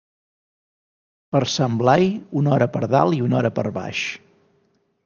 Per Sant Blai, una hora per dalt i una hora per baix.